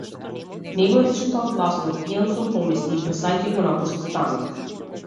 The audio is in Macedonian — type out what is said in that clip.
Не го рече тоа гласно, пијан сум помисли, и брзајќи го напушти станот.